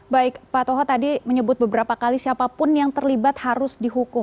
baik pak toha tadi menyebut beberapa kali siapapun yang terlibat harus dihukum